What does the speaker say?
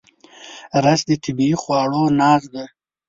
رس د طبیعي خواړو ناز ده